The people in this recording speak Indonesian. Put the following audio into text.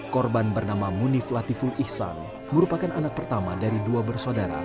korban bernama munif latiful ihsan merupakan anak pertama dari dua bersaudara